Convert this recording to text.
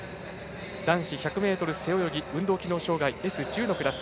男子１００ｍ背泳ぎ運動機能障がいＳ１０のクラス。